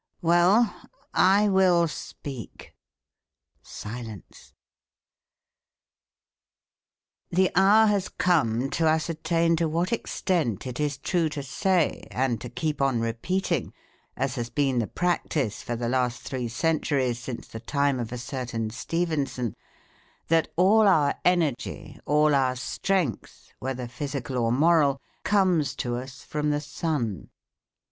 _) Well! I will speak. "The hour has come to ascertain to what extent it is true to say and to keep on repeating, as has been the practice for the last three centuries since the time of a certain Stephenson, that all our energy, all our strength, whether physical or moral, comes to us from the sun....